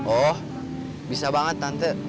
oh bisa banget tante